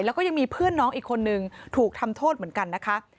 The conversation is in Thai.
แล้วก็ยังมีเพื่อนน้องอีกคนนึงถูกทำโทษเหมือนกันนะคะ